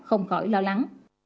không khỏi lo lắng